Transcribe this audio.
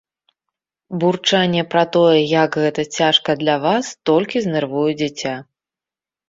Бурчанне пра тое, як гэта цяжка для вас, толькі знервуе дзіця.